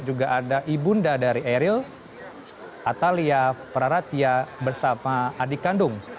juga ada ibu nda dari eril atalia praratia bersama adik kandung